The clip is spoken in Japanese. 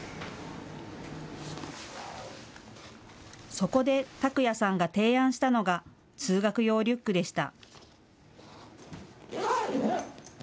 そこで琢哉さんが提案したのが通学用リュックでした。